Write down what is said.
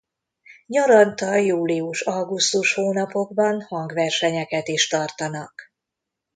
Nyaranta július-augusztus hónapokban hangversenyeket is tartanak.